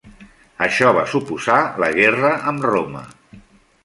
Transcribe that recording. Això va suposar la guerra amb Roma.